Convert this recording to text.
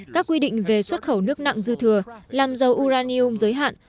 các quy định về xuất khẩu nước nặng dư thừa làm dầu uranium giới hạn